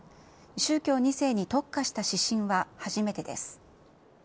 宗教２世に特化した指針は初めてです。